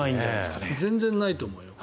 全然ないと思うよ。